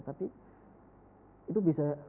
tapi itu bisa